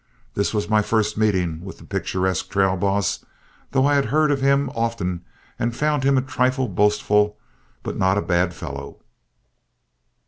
This was my first meeting with the picturesque trail boss, though I had heard of him often and found him a trifle boastful but not a bad fellow.